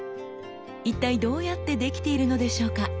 一体どうやってできているのでしょうか？